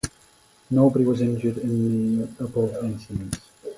Nobody was injured in the above incidents.